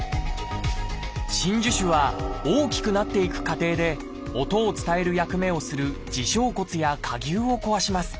真珠腫は大きくなっていく過程で音を伝える役目をする耳小骨や蝸牛を壊します。